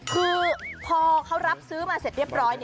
คือพอเขารับซื้อมาเสร็จเรียบร้อย